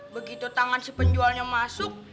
begitu tangan si penjualnya masuk